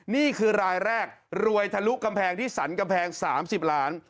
นี่คือรายแรกรวยทะลุกำแพงที่สรรกำแพง๓๐ล้าน